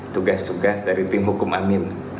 tugas tugas dari tim hukum amin